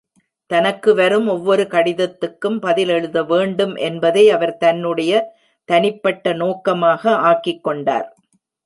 தனக்கு வரும் ஒவ்வொரு கடிதத்துக்கும் பதில் எழுதவேண்டும் என்பதை அவர் தன்னுடைய தனிப்பட்ட நோக்கமாக ஆக்கிக்கொண்டார்.